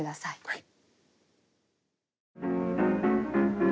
はい。